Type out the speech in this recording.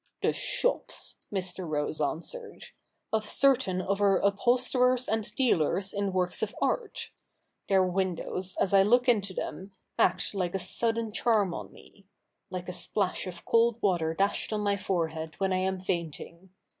' The shops,' Mr. Rose answered, ' of certain of our upholsterers and dealers in works of art. Their windows, as I look into them, act like a sudden charm on me —■ like a splash of cold water dashed on my forehead when I am fainting.